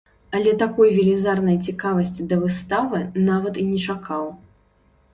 Але такой велізарнай цікавасці да выставы нават і не чакаў.